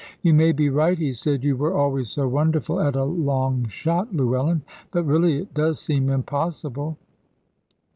"You may be right," he said; "you were always so wonderful at a long shot, Llewellyn. But really it does seem impossible."